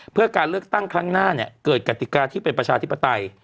เพื่อการเลือกตั้งครั้งหน้าเกิดกติกาที่เป็นประชาธิปไตย